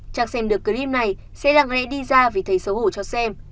chắc xem được clip này sẽ lặng lẽ đi ra vì thấy xấu hổ cho xem